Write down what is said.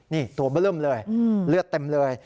นี่ตัวเบลื้มเลยเลือดเต็มเลย